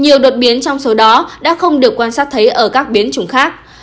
nhiều đột biến trong số đó đã không được quan sát thấy ở các biến chủng khác